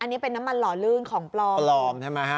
อันนี้เป็นน้ำมันหล่อลื่นของปลอมปลอมใช่ไหมฮะ